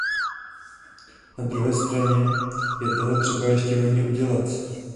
Na druhé straně je toho třeba ještě hodně udělat.